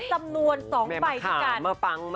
สำนวน๒ใบที่กัน